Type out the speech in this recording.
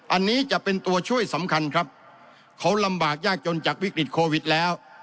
อันนี้จะเป็นตัวช่วยสำคัญครับเขาลำบากยากจนจากวิกฤตโควิดแล้ว